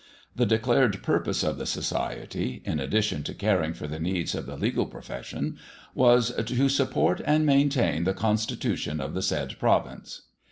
The declared purpose of the society, in addition to caring for the needs of the legal profession, was "to support and maintain the constitution of the said province."